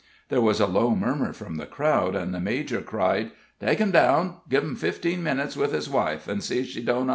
There was a low murmur from the crowd, and the major cried: "Take him down; give him fifteen minutes with his wife, and see she doesn't untie him."